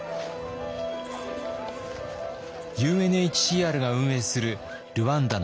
ＵＮＨＣＲが運営するルワンダの難民キャンプ。